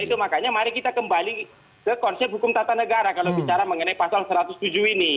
itu makanya mari kita kembali ke konsep hukum tata negara kalau bicara mengenai pasal satu ratus tujuh ini